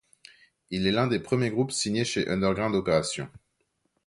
Il est l'un des premiers groupes signés chez Underground Operations.